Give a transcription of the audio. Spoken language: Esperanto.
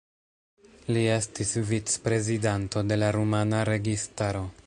Li estis vicprezidanto de la rumana registaro.